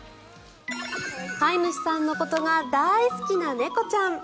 飼い主さんのことが大好きな猫ちゃん。